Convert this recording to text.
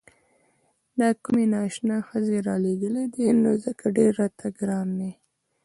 دا کومې نا اشنا ښځې رالېږلي دي نو ځکه ډېر راته ګران دي.